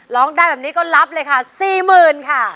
ร้องได้แบบนี้ก็รับเลยค่ะ๔๐๐๐ค่ะ